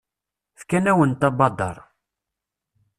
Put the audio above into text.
Fkan-awent abadaṛ.